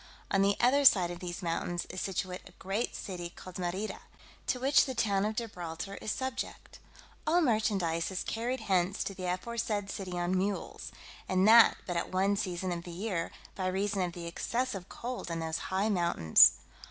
On the other side of these mountains is situate a great city called Merida, to which the town of Gibraltar is subject. All merchandise is carried hence to the aforesaid city on mules, and that but at one season of the year, by reason of the excessive cold in those high mountains.